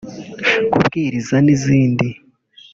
kubwirizan'izindi